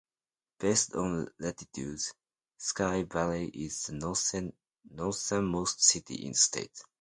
Based on latitude, Sky Valley is the northernmost city in the state.